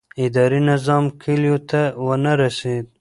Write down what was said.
اداري نظام کلیو ته ونه رسېد.